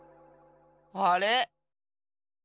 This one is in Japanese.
あれ？